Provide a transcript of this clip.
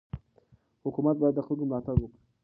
حکومت باید د خلکو ملاتړ وکړي.